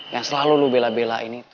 yang selalu lo bela belain itu